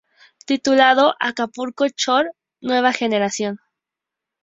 Titulado Acapulco Shore: Nueva Generación.